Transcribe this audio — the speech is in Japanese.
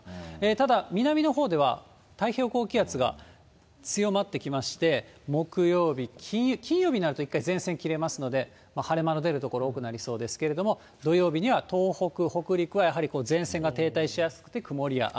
ただ南のほうでは、太平洋高気圧が強まってきまして、木曜日、金曜日になると、一回前線切れますので、晴れ間の出る所多くなりそうですけれども、土曜日には東北、北陸はやはりこう、前線が停滞しやすくて曇りや雨。